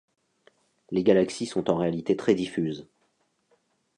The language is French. Les galaxies sont en réalité très diffuses.